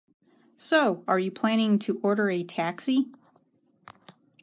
So, are you planning to order a taxi?